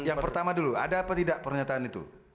yang pertama dulu ada apa tidak pernyataan itu